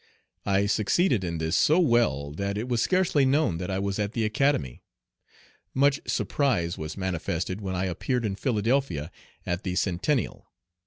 I succeeded in this so well that it was scarcely known that I was at the Academy. Much surprise was manifested when I appeared in Philadelphia at the Centennial.